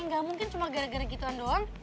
nggak mungkin cuma gara gara gituan doang